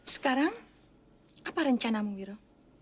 sekarang apa rencanamu wiro